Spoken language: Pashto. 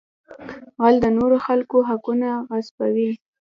غل د نورو خلکو حقونه غصبوي